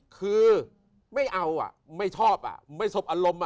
คือไม่เอาไม่ชอบไม่สบอารมณ์